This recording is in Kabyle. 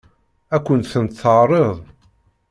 Ad kent-tent-teɛṛeḍ?